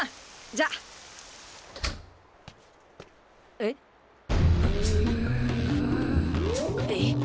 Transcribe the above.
じゃあ。えっ？えっ？